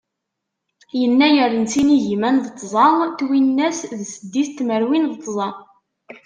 Yennayer n sin igiman d tẓa twinas d seddis tmerwin d tẓa.